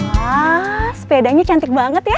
wah sepedanya cantik banget ya